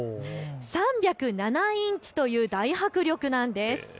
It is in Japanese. ３０７インチという大迫力なんです。